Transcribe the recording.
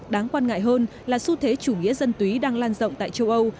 đáng quan ngại hơn là xu thế chủ nghĩa dân túy đang lan rộng tại châu âu